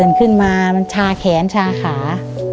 มันขึ้นมามันชาแขนชาขา